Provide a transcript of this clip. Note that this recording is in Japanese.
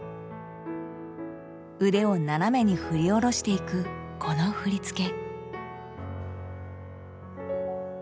腕を斜めに振り下ろしていくこの振り付け。